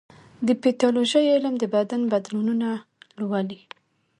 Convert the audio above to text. د پیتالوژي علم د بدن بدلونونه لولي.